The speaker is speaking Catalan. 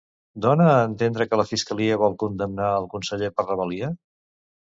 Dona a entendre que la fiscalia vol condemnar al conseller per rebel·lia?